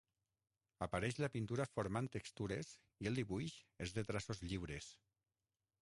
Apareix la pintura formant textures i el dibuix és de traços lliures.